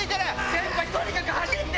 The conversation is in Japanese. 先輩とにかく走って・・